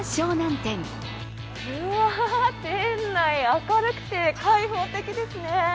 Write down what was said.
店内、明るくて開放的ですね。